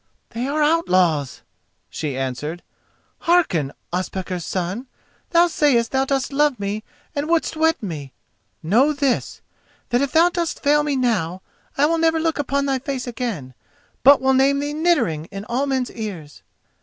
"They are outlaws," she answered. "Hearken, Ospakar's son. Thou sayest thou dost love me and wouldst wed me: know this, that if thou dost fail me now, I will never look upon thy face again, but will name thee Niddering in all men's ears."